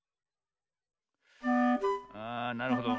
あなるほど。